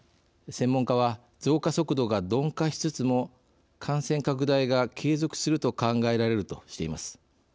専門家は「増加速度が鈍化しつつも感染拡大が継続すると考えられる」としています。